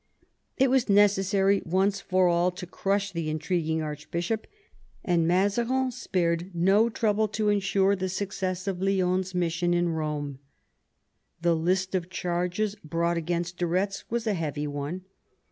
It was necessary once for all to crush the intriguing archbishop, and Mazarin spared no trouble to ensure the success of Lionne's mission in Rome. The list of charges brought against de Retz was a heavy one.